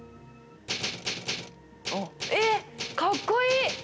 えっかっこいい！